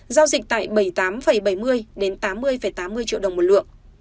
giao dịch tại bảy mươi tám bảy mươi đến tám mươi tám mươi triệu đồng một lượng